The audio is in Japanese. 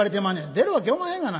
出るわけおまへんがな。